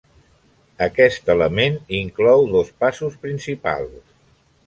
Aquest element inclou dos passos principals.